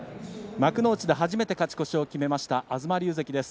幕内で初めて勝ち越しを決めました東龍関です。